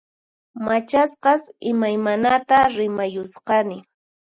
Machasqas imaymanata rimayusqani